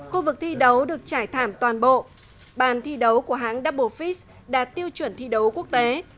khu vực thi đấu được trải thảm toàn bộ bàn thi đấu của hãng dapophis đạt tiêu chuẩn thi đấu quốc tế